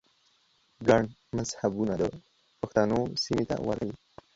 ګڼ مذهبونه د پښتنو سیمې ته ورغلي